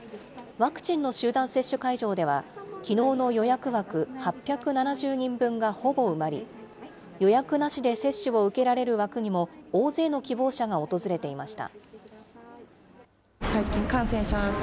ワクチンの集団接種会場では、きのうの予約枠８７０人分がほぼ埋まり、予約なしで接種を受けられる枠にも大勢の希望者が訪れていました。